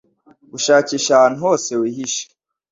gushakisha ahantu hose wihisha